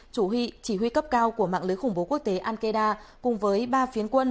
chủ huy chỉ huy cấp cao của mạng lưới khủng bố quốc tế al qaeda cùng với ba phiến quân